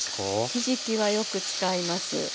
ひじきはよく使います。